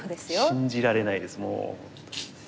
信じられないですもう。